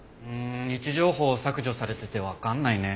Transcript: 位置情報を削除されててわかんないね。